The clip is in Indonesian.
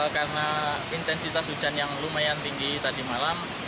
karena intensitas hujan yang lumayan tinggi tadi malam